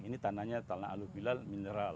ini tanahnya tanah alu bilal mineral